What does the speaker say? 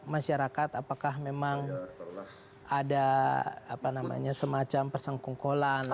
masyarakat apakah memang ada semacam persengkungkulan atau